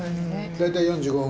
大体４５分。